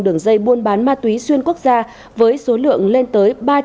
đường dây buôn bán ma túy xuyên quốc gia với số lượng lên tỉnh điện biên